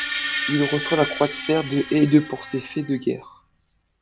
Il reçoit la croix de fer de et de pour ses faits de guerre.